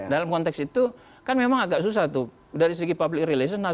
dalam konteks itu kan memang agak susah tuh dari segi public relation